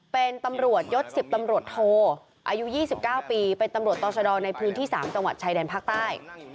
เป็นตำรวจยศ๑๐ตำรวจโทอายุ๒๙ปีเป็นตำรวจต่อชะดอในพื้นที่๓จังหวัดชายแดนภาคใต้